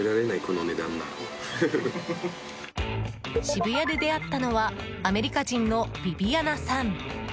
渋谷で出会ったのはアメリカ人のヴィヴィアナさん。